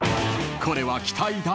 ［これは期待大